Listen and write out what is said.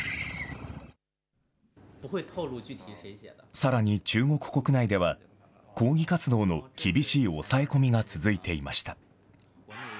さらに中国国内では、抗議活動の厳しい抑え込みが続いていました。